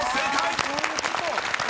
あそういうこと。